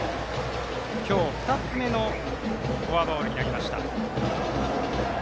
今日２つ目のフォアボールになりました。